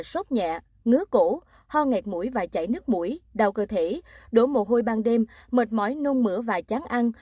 sốt nhẹ ngứa cổ ho ngạt mũi và chảy nước mũi đau cơ thể đổ mồ hôi ban đêm mệt mỏi nung mửa và chán ăn